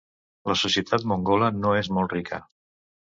La societat mongola no és molt rica.